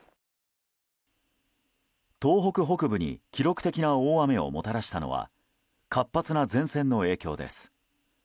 東北北部に記録的な大雨をもたらしたのは活発な前線の影響です。